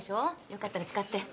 よかったら使って。